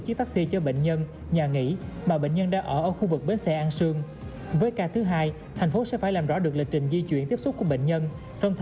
chiều nay ngày sáu tháng năm